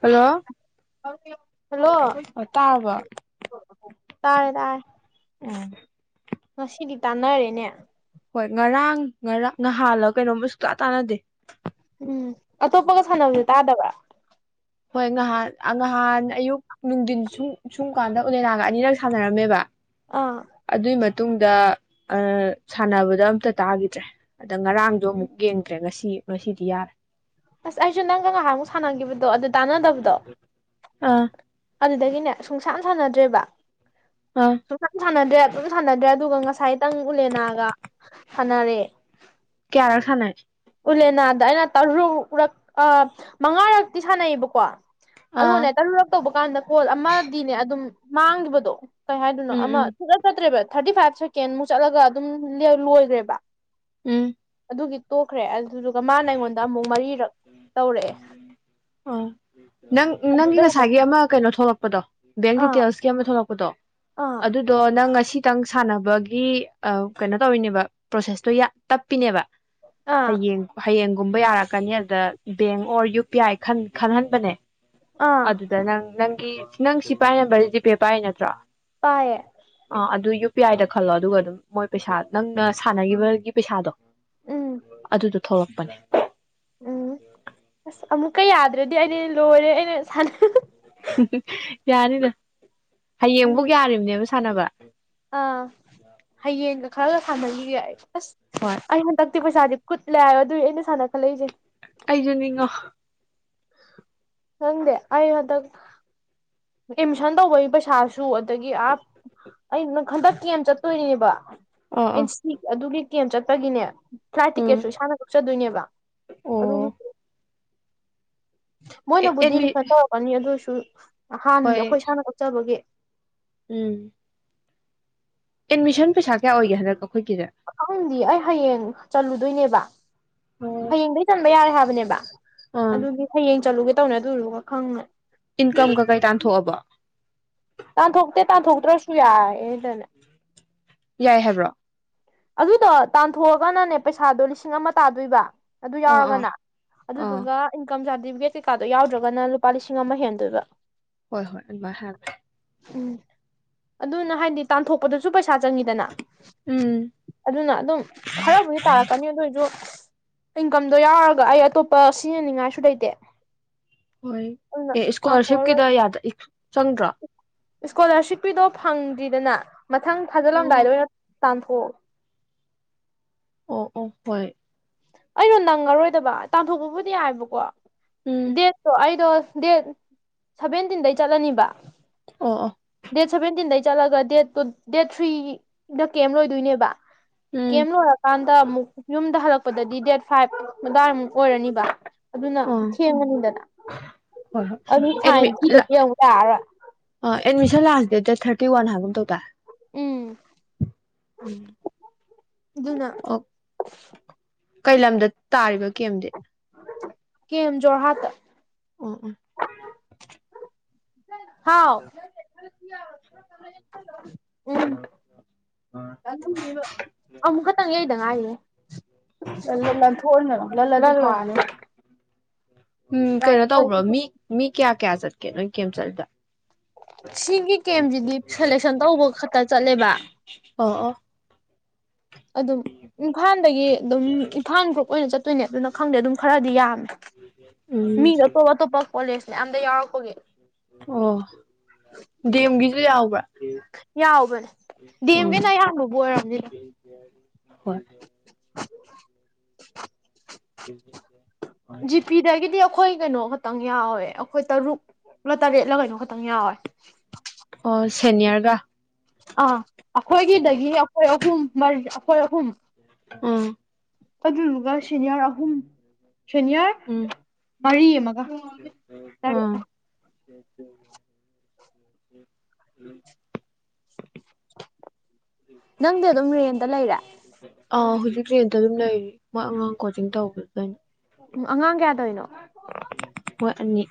hello hello ꯇꯥꯔꯕ ꯇꯥꯔꯦ ꯇꯥꯔꯦ [unintelligible] ꯉꯁꯤꯗꯤ ꯇꯥꯟꯅꯔꯦꯅꯦ ꯍꯣꯏ ꯉꯔꯥꯡ ꯉꯔꯥꯡ ꯅꯍꯥꯜꯂ ꯀꯩꯅꯣꯝꯃ ꯁꯨꯡꯇꯥ ꯇꯥꯟꯅꯗꯦ ꯎꯝ ꯑꯇꯣꯞꯄꯒ ꯁꯥꯟꯅꯕ ꯇꯥꯗꯕ ꯍꯣꯏ ꯉꯍꯥꯟ ꯉꯍꯥꯟ ꯑꯌꯨꯛ ꯅꯨꯡꯗꯤꯟ ꯁꯨꯝ ꯁꯨꯝ ꯀꯥꯟꯗ ꯑꯣꯂꯦꯅꯥꯒ ꯑꯅꯤꯔꯛ ꯁꯥꯟꯅꯔꯝꯃꯦꯕ ꯑꯥ ꯑꯗꯨꯏ ꯃꯇꯨꯡꯗ ꯑ ꯁꯥꯟꯅꯕꯗ ꯑꯝꯇ ꯇꯥꯒꯤꯗ꯭ꯔꯦ ꯑꯗ ꯉꯔꯥꯡꯗꯣ ꯑꯃꯨꯛ ꯌꯦꯡꯗ꯭ꯔꯦ ꯉꯁꯤ ꯉꯁꯤꯗꯤ ꯌꯥꯔꯦ ꯑꯁ ꯑꯩꯁꯨ ꯅꯪꯒ ꯉꯥꯏꯍꯥꯛꯃꯨꯛ ꯁꯥꯟꯅꯈꯤꯕꯗꯣ ꯑꯗꯨ ꯇꯥꯟꯅꯗꯕꯗꯣ ꯑꯥ ꯑꯗꯨꯗꯒꯤꯅꯦ ꯁꯨꯡꯁꯥꯅ ꯁꯥꯟꯅꯗ꯭ꯔꯦꯕ ꯑꯥ ꯁꯨꯡꯁꯝ ꯁꯥꯟꯅꯗ꯭ꯔꯦ ꯑꯗꯨꯝ ꯁꯥꯟꯅꯗ꯭ꯔꯦ ꯑꯗꯨꯒ ꯉꯁꯥꯏꯇꯪ ꯎꯂꯦꯅꯥꯒ ꯁꯟꯅꯔꯦ ꯀꯥꯌꯥꯔꯛ ꯁꯟꯅꯩ ꯎꯂꯦꯅꯥꯗ ꯑꯩꯅ ꯇꯔꯨꯛꯔꯛ ꯃꯉꯥꯔꯛꯇꯤ ꯁꯥꯟꯅꯩꯌꯦꯕꯀꯣ ꯑꯥ ꯑꯗꯨꯅꯦ ꯇꯂꯨꯔꯛꯛꯇꯧꯕ ꯀꯥꯟꯗ ꯀꯣꯜ ꯑꯃꯗꯤꯅꯦ ꯑꯗꯨꯝ ꯃꯥꯡꯈꯤꯕꯗꯣ ꯀꯩ ꯍꯥꯏꯗꯅꯣ ꯎꯝ ꯑꯃ ꯎꯝ ꯁꯨꯡꯆꯠ ꯆꯠꯇ꯭ꯔꯦꯕ ꯊꯥꯔꯇꯤ ꯐꯥꯏꯚ ꯁꯦꯀꯦꯟꯃꯨꯛ ꯆꯠꯂꯒ ꯑꯗꯨꯝ ꯂꯣꯏꯈ꯭ꯔꯦꯕ ꯎꯝ ꯑꯗꯨꯒꯤ ꯇꯣꯛꯈ꯭ꯔꯦ ꯑꯟ ꯑꯗꯨꯗꯨꯒ ꯃꯥꯅ ꯑꯩꯉꯣꯟꯗ ꯑꯃꯨꯛ ꯃꯔꯤꯔꯛ ꯇꯧꯔꯛꯑꯦ ꯑꯥ ꯑꯗꯨꯗ ꯈꯛꯇ ꯑꯗꯣ ꯕꯦꯡ ꯗꯤꯇꯦꯜꯁ ꯀꯤ ꯑꯃ ꯊꯣꯔꯛꯄꯗꯣ ꯑꯨꯗꯣ ꯑꯥ ꯑꯗꯨꯗꯣ ꯅꯪ ꯉꯁꯤ ꯈꯤꯇꯪ ꯁꯥꯟꯅꯕꯒꯤ ꯀꯩꯅꯣ ꯇꯧꯔꯤꯅꯦꯕ ꯄ꯭ꯔꯣꯁꯦꯁꯇꯣ ꯇꯞꯄꯤꯅꯦꯕ ꯑꯥ ꯍꯌꯦꯡ ꯍꯌꯦꯡꯒꯨꯝꯕ ꯌꯥꯔꯛꯀꯅꯤ ꯑꯗꯨꯗ bank or U P I ꯈꯟꯍꯟꯕꯅꯦ ꯑꯥ ꯑꯗꯨꯗ ꯅꯪꯪ ꯅꯪ ꯅꯪ ꯁꯤ ꯄꯥꯏ ꯅꯝꯕꯔꯁꯦ ꯖꯤꯄꯦ ꯄꯥꯏ ꯅꯠꯇ꯭ꯔꯣ ꯄꯥꯏꯌꯦ ꯑ ꯑꯗꯨ ꯌꯨ ꯄꯤ ꯑꯥꯏꯗ ꯈꯜꯂꯣ ꯑꯗꯨꯒ ꯑꯗꯨꯝ ꯃꯣꯏ ꯄꯩꯁꯥ ꯅꯪꯅ ꯁꯥꯟꯅꯈꯤꯕꯒꯤ ꯄꯩꯁꯥꯗꯣ ꯎꯝ ꯑꯗꯨꯗꯨ ꯊꯣꯛꯂꯛꯄꯅꯦ [unintelligible] ꯀꯩ ꯌꯥꯗ꯭ꯔꯗꯤ ꯑꯗꯤ ꯂꯣꯏꯔꯦ ꯑꯩꯅ ꯊꯟ ꯌꯥꯅꯤꯗ ꯎꯝ ꯍꯌꯦꯡꯕꯧ ꯌꯥꯔꯤꯕꯅꯦꯕ ꯁꯥꯟꯅꯕ ꯑꯥ ꯍꯌꯦꯡꯒ ꯈꯔꯒ ꯁꯥꯟꯅꯈꯤꯒꯦ ꯑꯩ ꯑꯁ ꯍꯣꯏ ꯑꯩ ꯍꯟꯗꯛꯇꯤ ꯄꯩꯁꯥꯗꯤ ꯀꯨꯠ ꯂꯥꯛꯑ ꯑꯗꯨꯏ ꯑꯩꯅ ꯁꯥꯟꯅ ꯈꯜꯂꯛꯏꯁꯦ ꯑꯩꯁꯨ ꯅꯤꯡꯉꯣ ꯈꯪꯗꯦ ꯑꯩ ꯍꯟꯗꯛ ꯑꯦꯠꯃꯤꯁꯟ ꯇꯧꯕꯒꯤ ꯄꯩꯁꯥꯁꯨ ꯑꯗꯒꯤ ꯑ ꯑꯩꯪ ꯍꯟꯗꯛ ꯀꯦꯝ ꯆꯠꯇꯣꯏꯔꯤꯅꯦꯕ ꯑꯥ ꯑꯥ ꯏꯁꯇꯤ ꯑꯗꯨꯒꯤ ꯀꯦꯝ ꯆꯠꯄꯒꯤꯅꯦ ꯐ꯭ꯂꯥꯏꯠ ꯎꯝ ꯇꯤꯛꯀꯦꯠꯁꯨ ꯏꯁꯥꯅ ꯀꯛꯆꯗꯣꯏꯅꯦꯕ ꯑꯣ ꯑꯗꯨꯒꯤ ꯑꯦ ꯃꯣꯏꯅꯕꯨꯗꯤ ꯑꯦꯗꯃꯤ ꯔꯤꯐꯟ ꯇꯧꯔꯛꯀꯅꯤ ꯑꯗꯨ ꯐ ꯍꯥꯟꯅꯗꯤ ꯍꯣꯏ ꯑꯩꯈꯣꯏ ꯁꯥꯟꯅ ꯎꯠꯆꯕꯒꯤ ꯎꯝ ꯑꯦꯗꯃꯤꯁꯟ ꯄꯩꯁꯥ ꯀꯌꯥ ꯑꯣꯏꯒꯦ ꯍꯥꯟ ꯈꯪꯗꯤꯌꯦ ꯍꯌꯦꯡ ꯆꯠꯂꯨꯗꯣꯏꯅꯦꯕ ꯑꯣ ꯍꯌꯦꯡꯗꯒꯤ ꯆꯟꯕ ꯌꯥꯔꯦ ꯍꯥꯏꯕ ꯑꯗꯨꯅꯦꯕ ꯑꯥ ꯑꯗꯨꯗꯤ ꯍꯌꯦꯡ ꯆꯠꯂꯨꯒꯦ ꯇꯧꯅ ꯑꯗꯨꯔꯨꯒ ꯈꯪꯅ ꯏꯟꯀꯝꯒ ꯀꯩ ꯇꯥꯟꯊꯣꯛꯑꯕꯣ ꯇꯟꯊꯣꯛꯇꯦ ꯇꯟꯊꯣꯛꯇ꯭ꯔꯁꯨ ꯌꯥꯏ ꯑꯦꯗꯅ ꯌꯥꯏ ꯍꯥꯏꯕ꯭ꯔꯣ ꯑꯗꯨꯗꯣ ꯇꯥꯟꯊꯣꯛꯑꯒꯅꯅꯦ ꯄꯩꯁꯥꯗꯣ ꯂꯤꯁꯤꯡ ꯑꯃ ꯇꯥꯗꯣꯏꯕ ꯑꯗꯨ ꯑꯥ ꯑꯥ ꯌꯥꯎꯔꯒꯅ ꯑꯥ ꯑꯗꯨꯗꯨꯒ ꯏꯟꯀꯝꯖꯥ [unintelligible] ꯁꯤ ꯀꯥꯗꯣ ꯌꯥꯎꯗ꯭ꯔꯒꯅ ꯂꯨꯄꯥ ꯂꯤꯁꯤꯡ ꯂꯤꯁꯤꯡ ꯑꯃ ꯍꯦꯟꯗꯣꯏꯕ ꯍꯣꯏ ꯍꯣꯏ ꯑꯗꯨꯃ ꯍꯥꯏꯕꯅꯦ ꯎꯝ ꯑꯗꯨꯅ ꯍꯥꯏꯗꯤ ꯇꯥꯟꯊꯣꯛꯄꯗꯁꯨ ꯄꯩꯁꯥ ꯁꯥ ꯆꯪꯉꯤꯗꯅ ꯎꯝ ꯑꯗꯨꯅ ꯑꯗꯨꯝ ꯈꯔꯕꯨꯗꯤ ꯇꯥꯔꯛꯀꯅꯤ ꯑꯗꯨꯏꯁꯨ ꯏꯟꯀꯝꯗꯣ ꯌꯥꯎꯔꯒ ꯑꯩ ꯑꯇꯣꯞꯄ ꯁꯤꯖꯅꯤꯡꯉꯥꯏꯁꯨ ꯂꯩꯇꯦ ꯍꯣꯏ ꯑꯗꯨꯅ ꯑꯦ ꯇꯥꯟꯊꯣꯛꯑꯔꯣꯏ ꯏꯁꯀꯣꯂꯥꯔꯁꯤꯞꯀꯤꯗ ꯌꯥ ꯆꯪꯗ꯭ꯔꯣ ꯏꯁꯀꯣꯂꯥꯔꯁꯤꯞꯀꯤꯗꯣ ꯐꯪꯗ꯭ꯔꯤꯗꯅ ꯃꯊꯪ ꯑꯣ ꯊꯥꯖꯤꯜꯂꯝꯗꯥꯏꯗ ꯇꯥꯡꯊꯣ ꯑꯣ ꯑꯣ ꯍꯣꯏ ꯑꯩꯩꯅꯣ ꯅꯪꯉꯔꯣꯏꯗꯕ ꯇꯥꯟꯊꯣꯛꯄꯕꯨꯗꯤ ꯌꯥꯏꯕꯀꯣ ꯎꯝ ꯗꯦꯠ ꯇꯣ ꯑꯩꯗꯣ ꯗꯦꯠ ꯁꯚꯦꯟꯇꯤꯟꯗꯩ ꯆꯠꯂꯅꯤꯕ ꯑꯣ ꯑꯣ ꯗꯦꯠ ꯁꯚꯦꯟꯇꯤꯟꯗꯩ ꯆꯠꯂꯒ ꯗꯦꯠ ꯗꯦꯠ ꯊ꯭ꯧꯔꯤꯗ ꯀꯦꯝ ꯂꯣꯏꯗꯣꯏꯅꯦꯕ ꯎꯝ ꯀꯦꯝ ꯂꯣꯔꯀꯥꯟꯗ ꯑꯃꯨꯛ ꯌꯨꯝꯗ ꯍꯜꯂꯛꯄ ꯗꯤ ꯗꯦꯠ ꯐꯥꯏꯚ ꯑꯗꯨꯋꯥꯏꯃꯨꯛ ꯑꯣꯏꯔꯅꯤꯕ ꯑꯗꯨꯅ ꯑꯥ ꯊꯦꯡꯉꯅꯤꯗꯅ ꯍꯣꯏ ꯍꯣꯏ ꯑꯗꯨ ꯑꯦꯗꯃꯤ ꯐꯥꯏꯟ ꯊꯤꯗꯗꯤ ꯑꯃꯨꯛ ꯌꯥꯔꯔꯣꯏ ꯑꯦꯗꯃꯤꯁꯟ ꯂꯥꯁ ꯗꯦꯠꯇ ꯊꯥꯔꯇꯤ ꯋꯥꯟ ꯍꯥꯏꯒꯨꯝ ꯇꯧꯗꯥꯢ ꯎꯝ ꯑꯗꯨꯅ ꯑꯣ ꯀꯩ ꯂꯝꯗ ꯇꯥꯔꯤꯕ ꯀꯦꯝꯗꯤ ꯀꯦꯝ ꯖꯣꯔꯍꯥꯠꯇ ꯑꯣ ꯑꯣ ꯍꯥꯎ ꯎꯝ ꯑꯃꯨꯛ ꯈꯛꯇꯪ ꯌꯩꯗ ꯉꯥꯏꯔꯤꯍꯦ ꯂꯟꯊꯣꯛꯍꯟꯒꯅꯣ ꯂꯂꯂꯣ ꯎꯝ ꯀꯩꯅꯣ ꯀꯥꯅꯤ ꯇꯧꯕ꯭ꯔꯣ ꯃꯤ ꯃꯤ ꯀꯌꯥ ꯀꯌꯥ ꯆꯠꯀꯦ ꯅꯣꯏ ꯀꯦꯝ ꯆꯠꯂꯤꯗꯣ ꯁꯤꯒꯤ ꯀꯦꯝꯁꯤꯗꯤ ꯁꯦꯂꯦꯛꯁꯟ ꯇꯧꯕ ꯈꯛꯇ ꯆꯠꯂꯦꯕ ꯑꯣ ꯑꯣ ꯑꯗꯨꯝ ꯏꯝꯐꯥꯜꯗꯒꯤ ꯑꯗꯨꯝ ꯏꯝꯐꯥꯜ ꯒ꯭ꯔꯨꯞ ꯑꯣꯏꯅ ꯆꯠꯇꯣꯏꯅꯦ ꯑꯗꯨꯅ ꯈꯪꯗꯦ ꯑꯗꯨꯝ ꯈꯔꯗꯤ ꯌꯥꯝꯃꯦ ꯎꯝ ꯃꯤꯗꯣ ꯑꯇꯣꯞ ꯑꯇꯣꯞꯄ ꯀꯣꯂꯦꯖ ꯌꯥꯝꯗ ꯌꯥꯎꯔꯛꯄꯒꯤ ꯑꯣ ꯗꯤ ꯑꯦꯝꯒꯤꯁꯨ ꯌꯥꯎꯕ꯭ꯔꯥ ꯌꯥꯎꯕꯅꯦ ꯎꯝ ꯗꯦꯝꯒꯤ ꯅ ꯑꯌꯥꯝꯕꯕꯨ ꯑꯣꯏꯔꯝꯅꯤꯗ ꯍꯣꯏ [inaudible] ꯖꯤꯄꯤꯗꯒꯤꯗꯤ ꯑꯩꯈꯣꯏ ꯀꯩꯅꯣ ꯈꯛꯇꯪ ꯌꯥꯎꯋꯦ ꯑꯩꯈꯣꯏ ꯇꯔꯨꯛꯂ ꯇꯔꯦꯠꯂ ꯀꯩꯅꯣ ꯈꯛꯇꯪ ꯌꯥꯎꯋꯦ ꯑꯣ ꯁꯦꯅꯤꯌꯔꯒ ꯑꯥ ꯑꯩꯈꯣꯏꯒꯤꯗꯒꯤ ꯑꯩꯈꯣꯏ ꯑꯍꯨꯝ ꯃꯔ ꯑꯈꯣꯏ ꯑꯍꯨꯝ ꯎꯝ ꯑꯗꯨꯗꯨꯒ ꯁꯤꯅꯤꯌꯥꯔ ꯑꯍꯨꯝ ꯁꯦꯅꯤꯌꯔ ꯎꯝ ꯃꯔꯤ ꯑꯃꯒ ꯑ ꯇꯥꯔꯦꯠ ꯎꯝ ꯅꯪꯗꯤ ꯑꯗꯨꯝ ꯔꯦꯟꯗ ꯂꯩꯔꯦ ꯑꯥ ꯍꯧꯖꯤꯛ ꯔꯦꯟꯇ ꯑꯗꯨꯝ ꯂꯩꯔꯤ ꯃꯥ ꯑꯉꯥꯡ ꯀꯣꯆꯤꯡ ꯇꯧꯕꯗꯨꯗꯩ ꯎꯝ ꯑꯉꯥꯡ ꯀꯌꯥꯇꯧꯏꯅꯣ ꯃꯣꯏ ꯑꯅꯤ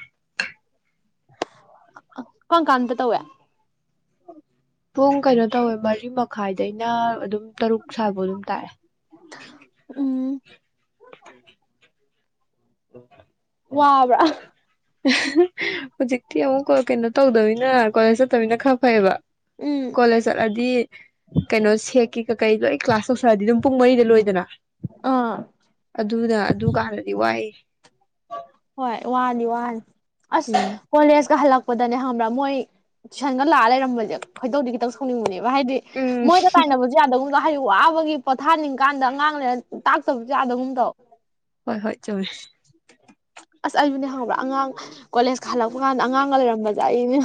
ꯀꯝꯀꯟꯗ ꯇꯧꯏ ꯄꯨꯡ ꯀꯩꯅꯣ ꯇꯧꯋꯦ ꯃꯔꯤ ꯃꯈꯥꯏꯗꯩꯅ ꯑꯗꯨꯝ ꯇꯔꯨꯛ ꯁ꯭ꯥꯏꯐꯧ ꯑꯗꯨꯝ ꯇꯥꯛꯑꯦ ꯎꯝ [unintelligible] ꯑꯣ ꯑꯣ ꯋꯥꯕ꯭ꯔꯥ ꯍꯥ ꯍꯥ ꯍꯧꯖꯤꯛꯇꯤ ꯑꯃꯨꯛ ꯀꯩꯅꯣ ꯇꯧꯗꯃꯤꯅ ꯀꯣꯂꯦꯖ ꯆꯠꯇꯃꯤꯅ ꯈꯔ ꯐꯩꯌꯦꯕ ꯎꯝ ꯀꯣꯂꯦꯖ ꯆꯠꯂꯗꯤ ꯀꯩꯅꯣ ꯁꯦꯛ ꯀ ꯀꯀꯩ ꯂꯣꯏ ꯀ꯭ꯂꯥꯁ ꯇꯧꯁꯛꯑꯗꯤ ꯑꯗꯨꯝ ꯄꯨꯡ ꯃꯔꯤꯗ ꯂꯣꯏꯗꯅ ꯑꯥ ꯑꯗꯨꯗ ꯑꯗꯨꯀꯥꯟꯗꯗꯤ ꯋꯥꯏ ꯋꯥꯔꯅꯤ ꯋꯥꯅꯤ ꯑꯁ ꯎꯝ ꯀꯣꯂꯦꯖ ꯀ ꯍꯂꯛ ꯁꯄꯗꯅꯦ ꯍꯪꯕ꯭ꯔꯥ ꯃꯣꯏ ꯇꯨꯏꯁꯟꯒ ꯂꯑ ꯂꯩꯔꯝꯕꯁꯦ ꯈꯣꯏꯗꯧꯗꯤ ꯈꯤꯇꯪ ꯁꯣꯏꯅꯤꯡꯕꯅꯦꯕ ꯍꯥꯏꯗꯤ ꯎꯝ ꯃꯣꯏꯗ ꯇꯥꯏꯅꯕꯁꯨ ꯌꯥꯗꯒꯨꯝ ꯍꯩꯛ ꯋꯥꯕꯒꯤ ꯄꯣꯊꯥꯅꯤꯡ ꯀꯥꯟꯗ ꯑꯉꯥꯡ ꯂꯩꯅ ꯇꯥꯛꯆꯕꯁꯨ ꯌꯥꯗꯒꯨꯝꯇꯧ ꯍꯣꯏ ꯍꯣꯏ ꯆꯨꯝꯃꯦ ꯑꯁ ꯑꯩꯕꯨꯅꯦ ꯈꯪꯕ꯭ꯔꯥ ꯑꯉꯥꯡ ꯀꯣꯂꯦꯖꯀ ꯍꯜꯂꯛꯄ ꯀꯥꯟꯗ ꯑꯉꯥꯡ ꯂꯩꯔꯝꯝꯕꯖꯅꯦ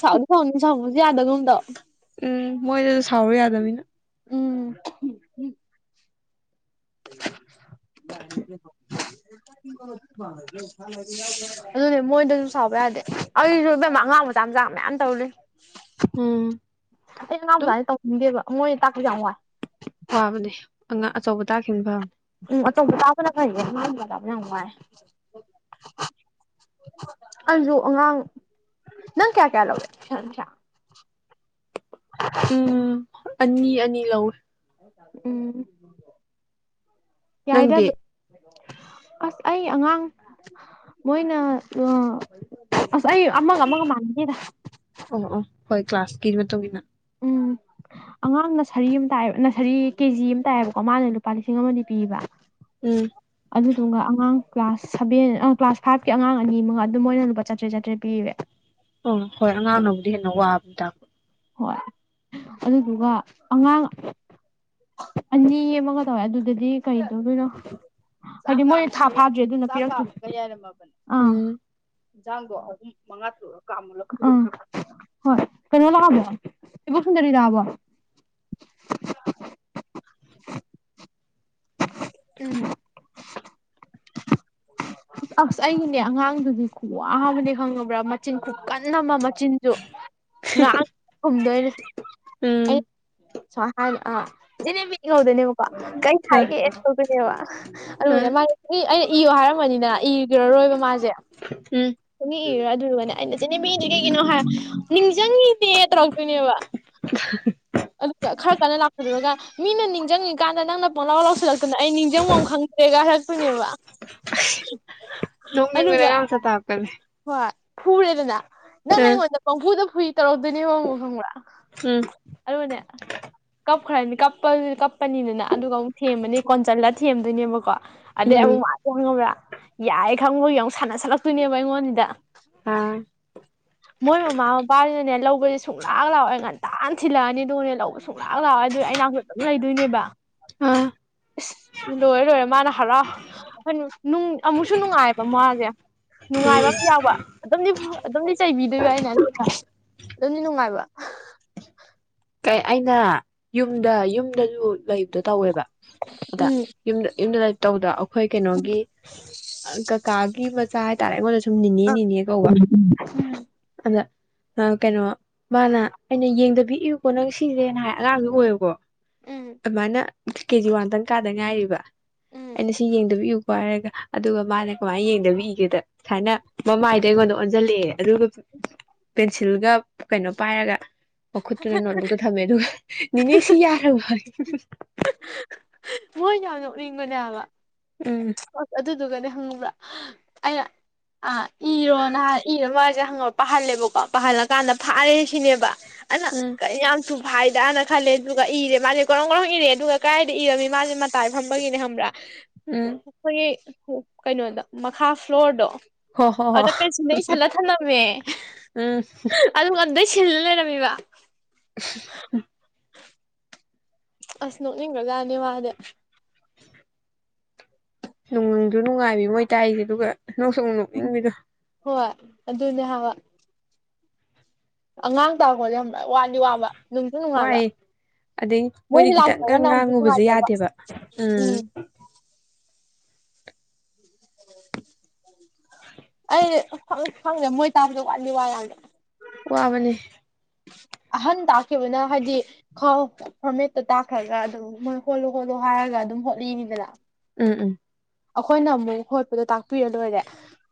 ꯁꯥꯎꯅꯤ ꯁꯥꯎꯅꯤ ꯁꯥꯎ ꯌꯥꯥꯗꯒꯨꯝꯗꯣ ꯎꯝ ꯃꯣꯏꯗꯁꯨ ꯁꯥꯎꯔ ꯌꯥꯗꯅꯤꯅ ꯎꯝ [inaudible] [unintelligible] ꯑꯗꯨꯅꯦ ꯃꯣꯏꯗꯁꯨ ꯁꯥꯎꯕ ꯌꯥꯗꯦ ꯑꯩꯁꯨ ꯏꯕꯦꯝ ꯑꯉꯥꯡ ꯃꯆꯥ ꯃꯆꯥ ꯃꯌꯥꯝ ꯇꯧꯔꯤ ꯎꯝ ꯑꯩ ꯑꯉꯥꯡ ꯑꯗꯨꯝ ꯃꯆꯥꯁꯦ ꯇꯧꯅꯤꯡꯗꯦꯕ ꯃꯣꯏ ꯇꯥꯛꯄꯖꯦ ꯌꯥꯡꯋꯥꯏ ꯋꯥꯕꯅꯦ ꯑꯉꯥꯡ ꯑꯆꯧꯕ ꯇꯥꯈꯤꯕ ꯐꯕꯅꯦ ꯎꯝ ꯑꯆꯧꯕ ꯇꯥꯕꯅ ꯐꯩ ꯑꯉꯥꯡ ꯃꯆꯥ ꯇꯛꯄ ꯌꯥꯝ ꯋꯥꯏ ꯌꯦ ꯑꯩꯁꯨ ꯑꯉꯥꯡ ꯅꯪ ꯀꯌꯥ ꯀꯌꯥ ꯂꯧꯏ ꯊꯧꯏꯁꯟ ꯄꯩꯁꯥ [inaudible] ꯎꯝ ꯑꯅꯤ ꯑꯅꯤ ꯂꯧꯋꯦ [unintelligible] ꯅꯪꯗꯤ ꯋꯥꯏꯗ꯭ꯔꯖꯨ ꯑꯁ ꯑꯩ ꯑꯉꯥꯡ ꯃꯣꯏꯅ ꯑ ꯑꯁ ꯑꯩ ꯑꯃꯒ ꯑꯃꯒ ꯃꯥꯟꯗꯦꯗ ꯀ꯭ꯂꯥꯁ ꯀꯤ ꯃꯇꯨꯡ ꯏꯟꯅ ꯎꯝ ꯑꯉꯥꯡ ꯅꯁꯔꯤ ꯑꯃ ꯇꯥꯏꯌꯦꯕ ꯅꯁꯔꯤ ꯀꯦꯖꯤ ꯑꯃ ꯇꯥꯏꯌꯦꯕꯀꯣ ꯃꯥꯅ ꯂꯨꯄꯥ ꯂꯤꯁꯤꯡ ꯑꯃꯗꯤ ꯄꯤꯌꯦꯕ ꯎꯝ ꯑꯗꯨꯗꯨꯒ ꯑꯉꯥꯡ ꯀ꯭ꯂꯥꯁ ꯁꯚꯦꯟ ꯑ ꯀ꯭ꯂꯥꯁ ꯐꯥꯏꯚꯀꯤ ꯑꯉꯥꯡ ꯑꯅꯤꯃꯉꯥ ꯑꯗꯨꯝ ꯑꯣꯏꯅ ꯂꯨꯄꯥ ꯆꯥꯇ꯭ꯔꯦꯠ ꯆꯥꯇ꯭ꯔꯦꯠ ꯄꯤꯌꯦ ꯑꯣ ꯍꯣꯏ ꯑꯉꯥꯡꯅꯕꯨꯗꯤ ꯍꯦꯟꯅ ꯋꯥꯕ ꯇꯥꯛꯄ ꯍꯣꯏ ꯑꯗꯨꯗꯨꯒ ꯑꯉꯥꯡ ꯑꯅꯤ ꯑꯃꯒ ꯇꯧꯋꯦ ꯑꯗꯨꯗꯗꯤ ꯀꯩꯗꯧꯗꯣꯏꯅꯣ ꯍꯥꯏꯗꯤ ꯃꯣꯏꯅ ꯊꯥ ꯐꯥꯗ꯭ꯔꯦ ꯑꯗꯨꯅ ꯄꯤꯔꯛꯇ꯭ꯔꯤ ꯎꯝ ꯌꯦꯟꯁꯥꯡꯗꯣ ꯑꯍꯨꯝ ꯃꯉꯥ ꯇꯔꯨꯛꯂ ꯀꯥꯃꯂ [unintelligible] ꯑꯥ ꯍꯣꯏ ꯀꯩꯅꯣ ꯂꯥꯛꯑꯕꯣ ꯏꯕꯣꯛ ꯁꯨꯟꯗꯔꯤ ꯂꯥꯛꯑꯕꯣ ꯎꯝ ꯑꯁ ꯑꯩꯒꯤꯅꯦ ꯑꯉꯥꯡꯗꯨꯗꯤ ꯈꯨꯋꯥ ꯑꯃꯅꯦ ꯈꯪꯉꯕ꯭ꯔꯥ ꯃꯆꯤꯟ ꯈꯨꯀꯟ ꯀꯟꯅ ꯑꯃ ꯃꯆꯤꯟꯁꯨ ꯉꯍꯥꯛ ꯈꯨꯝꯗꯣꯏꯅꯦ ꯑꯩ ꯎꯝ ꯁꯨꯃꯥꯏ ꯍ ꯑ ꯏꯍꯧꯗꯣꯏꯅꯦꯕꯀꯣ ꯀꯩ ꯑ ꯍꯥꯏꯒꯦ ꯇꯧꯗꯣꯏꯅꯦꯕ ꯑꯗꯨꯒꯅꯦ ꯑ ꯃꯥꯒꯤ ꯑꯩ ꯏꯌꯣ ꯍꯥꯏꯔꯝꯕꯅꯤꯅ ꯏꯈ꯭ꯔꯔꯣꯏꯕ ꯃꯥꯁꯦ ꯎꯝ ꯁꯨꯡꯏ ꯏꯔꯔꯣꯏ ꯑꯗꯨꯔꯒꯅꯦ ꯑꯩꯅ ꯆꯦꯅꯦꯕꯤ ꯏꯗ꯭ꯔꯤ ꯀꯩꯒꯤꯅꯣ ꯍꯥꯏ ꯅꯤꯡꯁꯤꯡꯉꯤꯅꯦ ꯇꯧꯔꯛꯇꯣꯏꯅꯦꯕ ꯑꯗꯨꯒ ꯈꯔ ꯀꯟꯅ ꯂꯥꯛꯄꯤꯗꯨꯔꯒ ꯃꯤꯅ ꯅꯤꯡꯁꯤꯡꯉꯤꯀꯥꯟꯗ ꯅꯪꯅ ꯃꯣꯅꯥꯥꯎ ꯂꯧꯁꯤꯜꯂꯛꯇꯅ ꯑꯩ ꯅꯤꯡꯁꯤꯡꯕꯝ ꯈꯪꯗꯦꯒꯔꯛ ꯄꯨꯅꯦꯕ ꯅꯣꯅꯤꯡꯕꯅꯦ ꯑꯉꯥꯡꯃꯆꯥ ꯇꯥꯔꯛꯄꯖꯦ ꯍꯣꯏ ꯐꯨꯔꯦꯗꯅ ꯅꯪꯅ ꯉꯩꯑꯣꯟꯗ ꯄꯪꯐꯨꯗ ꯐꯨꯏ ꯇ ꯑꯣꯏꯗꯅꯦ ꯋꯥꯉ ꯈ ꯎꯝ [unintelligible] ꯑꯗꯨꯅꯦ ꯀꯞꯈ꯭ꯔꯅꯤ ꯀꯞꯄ ꯀꯞꯄꯅꯤꯗꯅ ꯑꯗꯨꯒ ꯑꯃꯨꯛ ꯊꯦꯝꯕꯅꯤ ꯀꯣꯟꯖꯤꯜꯂ ꯊꯦꯝꯗꯣꯏꯅꯦꯕꯀꯣ ꯑꯗꯦ ꯎꯝ ꯑꯃꯨꯛ ꯃꯥꯁꯦ ꯍꯉꯕ꯭ꯔ ꯌꯥꯏ ꯊꯪꯕ ꯌꯥ ꯌꯥꯝ ꯁꯥꯟꯅꯁꯠꯂꯛꯇꯣꯏꯅꯦꯕ ꯑꯩꯉꯣꯟꯁꯤꯗ ꯑ ꯃꯣꯏ ꯃꯥꯃ ꯃꯄꯥ ꯖꯤꯅ ꯅꯦ ꯂꯧꯕꯁꯦ ꯁꯨꯡꯂꯥꯛ ꯂꯥꯛꯑꯣꯏ ꯉꯟꯇꯥꯟ ꯊꯤꯜꯂꯛ ꯑꯅꯤ ꯑꯗꯨꯒꯅꯦ ꯂꯧꯕ ꯁꯨꯡꯂꯥꯛ ꯂꯥꯛꯑꯣꯏ ꯑꯗꯨꯏ ꯑꯩꯅꯥꯛꯇ ꯑꯗꯨꯝ ꯂꯩꯗꯣꯏꯅꯦꯕ ꯑꯥ ꯏꯁ ꯂꯣꯏꯔꯦ ꯂꯣꯏꯔꯦ ꯃꯥꯅ ꯍꯔꯥꯎ ꯅꯨꯝ ꯑꯃꯨꯛꯁꯨ ꯅꯨꯡꯉꯥꯏꯕ ꯃꯥꯁꯦ ꯅꯨꯡꯉꯥꯏꯕ ꯎꯝ ꯑꯃ ꯌꯥꯎꯕ ꯑꯗꯨꯝꯗꯤ ꯐꯨꯕ ꯑꯗꯨꯝ ꯆꯩꯕꯤꯗꯣꯏꯕ ꯑꯩꯅ ꯑꯗꯨꯒꯅꯦ ꯑꯗꯨꯝꯗꯤ ꯅꯨꯡꯉꯥꯏꯕ ꯀꯩ ꯑꯩꯅ ꯌꯨꯝꯗ ꯌꯨꯝꯗꯁꯨ ꯂꯩꯕꯗ ꯇꯧꯋꯦꯕ ꯑꯗ ꯎꯝ ꯌꯨꯝꯗ ꯌꯨꯝꯗ ꯂꯩ ꯇꯧꯕꯗ ꯑꯩꯈꯣꯏ ꯀꯩꯅꯣꯒꯤ ꯀꯀꯥꯒꯤ ꯃꯆꯥꯥ ꯍꯥꯏꯇꯔꯦ ꯑꯩꯉꯣꯟꯗ ꯁꯨ ꯁꯨꯝ ꯅꯤꯅꯦ ꯑ ꯅꯤꯅꯦ ꯀꯧꯕ ꯑꯗ ꯑ ꯀꯩꯅꯣ ꯃꯥꯅ ꯑꯩꯅ ꯌꯦꯡꯗꯕꯤ ꯀꯅ ꯁꯤꯁꯦꯅ ꯍꯥꯏ ꯑꯉꯥꯡꯗꯨ ꯑꯣꯏꯌꯦꯕꯀꯣ ꯎꯝ ꯑꯃꯥꯏꯅ ꯀꯦꯖꯤ ꯋꯥꯟꯗꯪ ꯀꯥꯗ ꯉꯥꯏꯔꯤꯕ ꯎꯝ ꯑꯩꯅ ꯁꯤ ꯌꯦꯡꯗꯕꯤ ꯏꯌꯨꯀꯣ ꯍꯥꯏꯔꯒ ꯑꯗꯨꯒ ꯃꯥꯅꯦ ꯀꯃꯥꯏꯅ ꯌꯦꯡꯗꯕꯤ ꯏꯒꯦꯗ ꯁꯨꯃꯥꯏꯅ ꯃꯃꯥꯏꯗꯨ ꯑꯩꯉꯣꯟꯗ ꯑꯣꯟꯁꯤꯜꯂꯛꯑꯦ ꯑꯗꯨꯒ ꯄꯦꯟꯁꯤꯜꯒ ꯀꯩꯅꯣ ꯄꯥꯏꯔꯒ ꯑꯗꯨꯅ ꯅꯣꯠꯕꯨꯛꯇ ꯊꯝꯃꯦ ꯑꯗꯨꯒ ꯅꯅꯦ ꯁꯤ ꯌꯥꯔꯕ ꯌꯦ ꯍꯨꯝ ꯍꯨꯝ ꯃꯣꯏꯅ ꯑꯗꯨꯝ ꯐꯨꯅꯤꯡꯕꯅꯦ ꯍꯥꯏꯕ ꯎꯝ ꯍꯣꯏ ꯑꯗꯨ ꯑꯗꯨꯒꯗꯤ ꯈꯪꯉꯕ꯭ꯔꯥ ꯑꯩꯅ ꯏꯔꯣ ꯅꯍꯥꯟ ꯏꯔ ꯃꯥꯁꯦ ꯍꯪꯉ ꯄꯥꯍꯜꯂꯦꯕꯀꯣ ꯄꯥꯍꯜꯂꯀꯥꯟꯗ ꯐꯥꯔꯦ ꯁꯤꯅꯦꯕ ꯑꯂ ꯎꯝ ꯀꯩ ꯌꯥꯝ ꯊꯨꯏ ꯐꯥꯏꯗꯥꯅꯅꯥꯈꯜꯂꯦ ꯑꯗꯨꯒ ꯏꯔꯦ ꯃꯁꯦ ꯒꯔꯣꯡꯒꯔꯣꯡ ꯏꯔꯦ ꯑꯗꯨꯒ ꯀꯗꯥꯥꯏꯗ ꯏꯔꯃꯤ ꯃꯥꯁꯦ ꯃꯇꯥꯏ ꯐꯝꯕꯒꯤꯅꯦ ꯈꯪꯕ꯭ꯔꯥ ꯎꯝ ꯑꯩꯈꯣꯏ ꯀꯩꯅꯣꯗ ꯃꯈꯥ ꯐ꯭ꯂꯣꯔꯗꯣ ꯍꯣ ꯍꯣ ꯍꯣ ꯑꯗ ꯄꯦꯁꯤꯅ ꯏꯁꯜꯂ ꯊꯅꯝꯃꯦ ꯎꯝ ꯑꯗꯨ ꯑꯗꯩ ꯁꯤꯜ ꯂꯩꯔꯝ ꯀꯩꯕ ꯑꯁ ꯅꯣꯅꯤꯡꯒ꯭ꯔꯖꯥꯠꯅꯤ ꯃꯥꯗꯤ ꯅꯨꯡꯗꯨ ꯅꯨꯡꯉꯥꯏꯃꯤ ꯃꯣꯏ ꯇꯥꯏꯁꯦ ꯑꯗꯨꯒ ꯅꯣꯛꯁꯨ ꯑꯃꯨꯛ ꯅꯣꯛꯅꯤꯡꯕꯤꯗꯣ ꯍꯣꯏ ꯑꯗꯨꯅꯦ ꯍꯥꯏꯕ ꯑꯉꯥꯡ ꯇꯥꯄꯗꯤ ꯌꯥꯝ ꯋꯥꯗꯤ ꯋꯥꯕ ꯅꯨꯡꯁꯨ ꯅꯨꯡꯉꯥꯏꯕ ꯋꯥꯏ ꯑꯗꯩ ꯃꯣꯏꯗꯤ ꯃꯣꯏꯁꯦ ꯈꯤꯇꯪꯒ ꯂꯥꯛꯇ꯭ꯔꯒꯅ ꯑꯃꯨꯛꯁꯨ ꯉꯥꯡꯉꯨꯕꯁꯦ ꯅꯨꯡꯉꯥꯏꯇꯕ ꯌꯥꯗꯦꯕ ꯎꯝ ꯑꯩ ꯈꯪꯗꯦ ꯃꯣꯏ ꯇꯥꯕꯗ ꯋꯥꯠꯗꯥ ꯋꯥꯏ ꯌꯥꯝꯅ ꯋꯥꯕꯅꯦ ꯑꯍꯟ ꯇꯥꯛꯈꯤꯕꯅ ꯍꯥꯏꯗꯤ ꯈꯥꯎ ꯐꯣꯔꯃꯦꯠꯇ ꯇꯥꯛꯈ꯭ꯔꯒ ꯑꯗꯨꯝ ꯃꯣꯏ ꯍꯣꯠꯂꯨ ꯍꯣꯠꯂꯨ ꯍꯥꯏꯔꯒ ꯑꯗꯨꯝ ꯍꯣꯠꯂꯤꯅꯤꯗꯅ ꯎꯝ ꯎꯝ ꯑꯩꯈꯣꯏꯅ ꯑꯃꯨꯛ ꯍꯣꯠꯄꯗꯣ ꯇꯥꯛꯄꯤꯔ ꯂꯣꯏꯔꯦ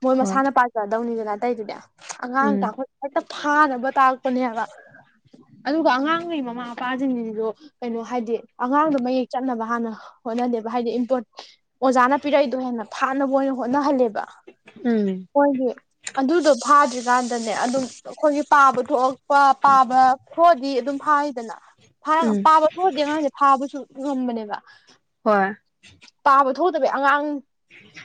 ꯃꯣꯏ ꯍꯣꯏ ꯃꯁꯥꯟꯅ ꯄꯥꯖꯥ ꯇꯧꯅꯤꯡꯅ ꯑꯇꯩꯗꯥ ꯃꯌꯥꯝ ꯑꯉꯥꯡ ꯎꯝ ꯇ ꯑꯩꯈꯣꯏ ꯍꯦꯛꯇ ꯐꯥꯅꯕ ꯇꯥꯛꯄꯅꯦ ꯍꯥꯏꯕ ꯑꯗꯨꯒ ꯑꯉꯥꯡꯒꯤ ꯃꯃꯥ ꯃꯄꯥꯁꯤꯡꯁꯤꯁꯨ ꯀꯩꯅꯣ ꯍꯥꯏꯗꯤ ꯑꯉꯥꯡꯗꯣ ꯃꯌꯦꯛ ꯆꯠꯅꯕ ꯍꯥꯟꯅ ꯍꯣꯠꯅꯗꯦꯕ ꯍꯥꯏꯗꯤ ꯏꯝꯄꯣꯔ ꯑꯣꯖꯥꯅ ꯄꯤꯔꯛꯏꯗꯣ ꯍꯦꯟꯅ ꯐꯥꯅꯕ ꯑꯣꯏꯅ ꯍꯣꯠꯅꯍꯜꯂꯦꯕ ꯎꯝ ꯍꯣꯏꯦ ꯑꯗꯨꯗꯣ ꯐꯥꯗ꯭ꯔꯤ ꯀꯥꯟꯗꯅꯦ ꯑꯗꯨꯝ ꯑꯩꯈꯣꯏꯒꯤ ꯄꯥꯕ ꯊꯣꯛꯂꯛꯄ ꯄꯥꯕ ꯊꯣꯛꯑꯗꯤ ꯑꯗꯨꯝ ꯐꯥꯔꯤꯗꯅ ꯎꯝ ꯄꯥꯕ ꯊꯣꯛꯑꯗꯤ ꯑꯉꯥꯡꯁꯦ ꯐꯥꯕꯁꯨ ꯉꯝꯕꯅꯦꯕ ꯍꯣꯏ [unintelligible] ꯑꯉꯥꯡ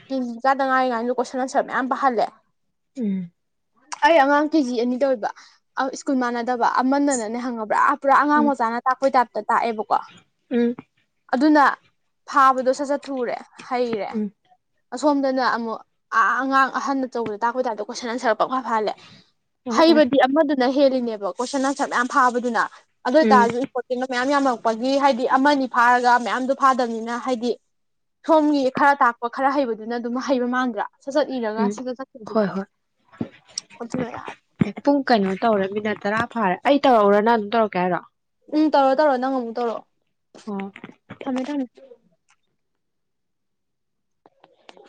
ꯇꯤꯟ ꯆꯠ ꯇ ꯉꯥꯏꯔꯤꯉꯥꯏꯗ ꯀꯣꯏꯁꯟ ꯑꯟꯁꯔ ꯃꯌꯥꯝ ꯄꯥꯍꯜꯂꯦ ꯎꯝ ꯑꯩ ꯑꯉꯥꯡ ꯀꯦꯖꯤ ꯑꯅꯤ ꯇꯧꯑꯦꯕ ꯁ꯭ꯀꯨꯜ ꯃꯥꯟꯅ ꯅꯠꯇꯕ ꯑꯃꯟꯅꯅꯅꯦ ꯈꯪꯉꯕ꯭ꯔꯥ ꯄꯨꯔꯥ ꯑꯉꯥꯡ ꯎꯝ ꯃꯆꯥꯅ ꯇꯥꯛꯄꯩ ꯇꯥꯏꯞꯇ ꯇꯥꯛꯑꯦꯕꯀꯣ ꯎꯝ ꯑꯗꯨꯅ ꯐꯥꯕꯗꯣ ꯁꯠ ꯁꯠ ꯊꯨꯔꯦ ꯍꯩꯔꯦ ꯎꯝ ꯑꯁꯣꯝꯗꯅ ꯑꯃꯨꯛ ꯑꯥ ꯑꯉꯥꯡ ꯑꯍꯟꯅ ꯑꯆꯧꯕꯗ ꯇꯥꯛꯄꯩ ꯇꯥꯏꯞꯇ ꯀꯣꯏꯁꯟ ꯑꯟꯁꯔ ꯄꯛꯐꯥ ꯐꯥꯍꯜꯂꯦ ꯑꯣ ꯑꯣ ꯍꯩꯕꯗꯤ ꯑꯃꯗꯨꯅ ꯍꯦꯜꯂꯤꯅꯦ ꯑꯗꯣ ꯀꯣꯏꯁꯟ ꯑꯟꯁꯔ ꯃꯌꯥꯝ ꯐꯥꯕꯗꯨꯅ ꯑꯗꯣꯏ ꯎꯝ ꯇꯥꯔꯖꯨ ꯏꯝꯄꯣꯔꯇꯦꯟꯗꯣ ꯃꯌꯥꯝ ꯌꯥꯝꯃꯝ ꯄꯒꯤ ꯍꯥꯏꯗꯤ ꯑꯃꯅꯤ ꯐꯥꯔꯒ ꯃꯌꯥꯝꯗꯣ ꯐꯥꯗꯕꯅꯤꯅ ꯍꯥꯏꯗꯤ ꯁꯣꯝꯒꯤ ꯈꯔ ꯇꯥꯛꯄ ꯈꯔ ꯍꯩꯕꯗꯨꯅ ꯑꯗꯨꯝ ꯍꯩꯕ ꯃꯥꯟꯗ꯭ꯔꯥ ꯁꯠ ꯁꯠ ꯏꯔꯒ ꯎꯝ ꯁꯠ ꯁꯠ ꯍꯣꯏ ꯆꯠꯈꯤꯕꯗꯨꯅ ꯍꯣꯏ ꯑꯗꯨꯅ ꯌꯥꯔꯦ ꯄꯨꯡ ꯀꯩꯅꯣ ꯇꯧꯔꯦ ꯃꯤꯅꯠ ꯇꯔꯥ ꯐꯔꯦ ꯑꯩ ꯇꯧꯔꯛꯎꯔ ꯅꯪ ꯑꯗꯨꯝ ꯇꯧꯔꯛꯀꯦ ꯍꯥꯏꯔꯣ ꯎꯝ ꯇꯧꯔꯣ ꯇꯧꯔꯣ ꯅꯪ ꯑꯃꯨꯛ ꯇꯧꯔꯛꯑꯣ ꯑꯣ ꯊꯝꯃꯦ ꯊꯝꯃꯦ